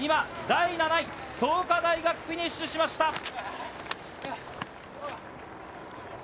第７位、創価大学フィニッシュしました。